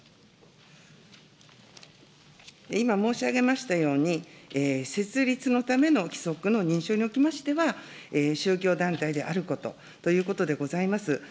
今申し上げましたように、設立のための規則の認証におきましては、宗教団体であることということでございます。